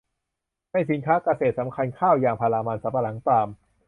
ในสินค้าเกษตรสำคัญ ข้าว ยางพารา มันสำปะหลัง ปาล์ม